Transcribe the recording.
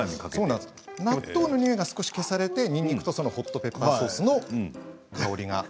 納豆のにおいが少し消されてにんにくとホットペッパーソースの香りが。